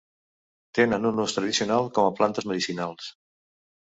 Tenen un ús tradicional com a plantes medicinals.